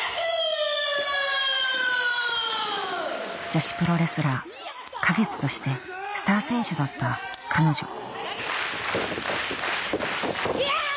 女子プロレスラー・花月としてスター選手だった彼女ヤァ！